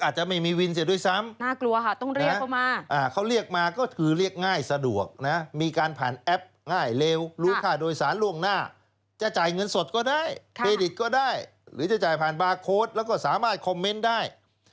หรือจะจ่ายผ่านบาร์โค้ดแล้วก็สามารถคอมเมนต์ได้